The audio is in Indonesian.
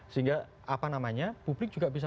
sehingga apa namanya publik juga bisa